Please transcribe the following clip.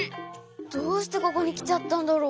どうしてここにきちゃったんだろ？